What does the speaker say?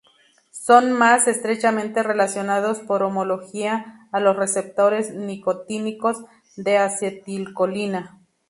Son más estrechamente relacionados por homología a los receptores nicotínicos de acetilcolina.